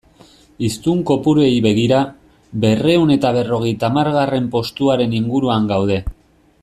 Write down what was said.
Hiztun kopuruei begira, berrehun eta berrogeita hamargarren postuaren inguruan gaude.